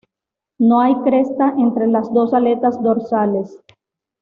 No hay cresta entre las dos aletas dorsales.